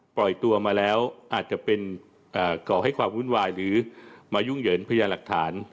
ปล่อยตัวมาแล้วอาจจะเป็นก่อให้ความวุ่นวายหรือมายุ่งเหยิงพญาหลักฐาน